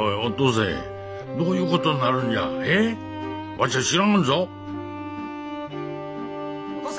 わしゃ知らんぞ・登勢！